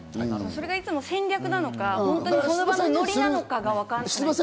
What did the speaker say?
それがいつも戦略なのか、その場のノリなのかわからない。